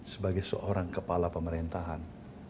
sebagai seorang kepala pemerintahan